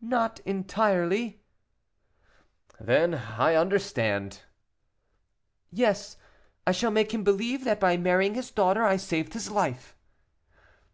"Not entirely." "Then I understand." "Yes, I shall make him believe that by marrying his daughter I saved his life."